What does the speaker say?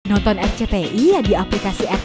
nonton rcti ya di aplikasi rcti plus